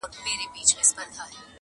نن یاغي یم له زندانه ځنځیرونه ښخومه!.